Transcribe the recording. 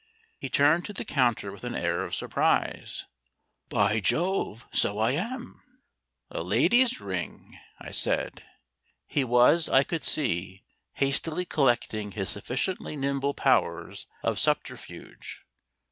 He turned to the counter with an air of surprise. "By Jove, so I am!" "A lady's ring," I said. He was, I could see, hastily collecting his sufficiently nimble powers of subterfuge.